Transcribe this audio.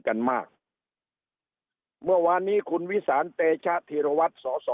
กันมากเมื่อวานนี้คุณวิสานเตชะธีรวัตรสอสอ